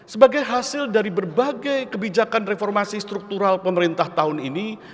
sebagai hasil dari berbagai kebijakan reformasi struktural pemerintah tahun ini